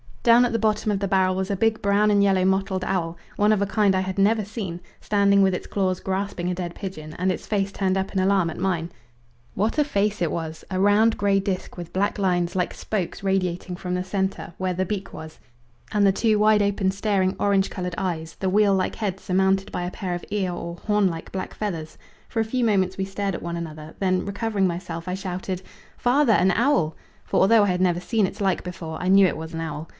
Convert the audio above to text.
Down at the bottom of the barrel was a big brown and yellow mottled owl, one of a kind I had never seen, standing with its claws grasping a dead pigeon and its face turned up in alarm at mine. What a face it was! a round grey disc, with black lines like spokes radiating from the centre, where the beak was, and the two wide open staring orange coloured eyes, the wheel like head surmounted by a pair of ear or horn like black feathers! For a few moments we stared at one another, then recovering myself I shouted, "Father an owl!" For although I had never seen its like before I knew it was an owl.